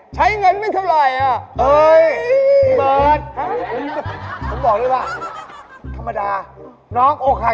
ใช้เงินไม่เท่าไร